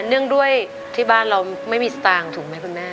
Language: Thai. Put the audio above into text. เนื่องด้วยที่บ้านเราไม่มีสตางค์ถูกไหมคุณแม่